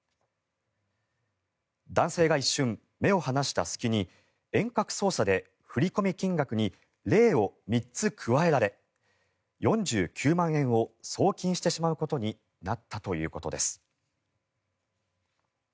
男性が一瞬目を離した隙に遠隔操作で振込金額に０を３つ加えられ４９万円を送金してしまうことになったということです。